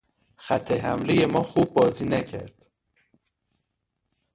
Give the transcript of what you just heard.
خط حملهی ما خوب بازی نکرد.